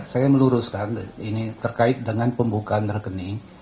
saya meluruskan ini terkait dengan pembukaan rekening